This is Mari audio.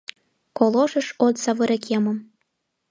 Калошыш от савыре кемым.